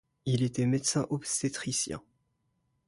Il était médecin obstétricien.